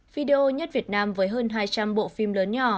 video nhất việt nam với hơn hai trăm linh bộ phim